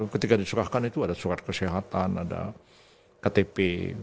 ketika diserahkan itu ada surat kesehatan ada ktp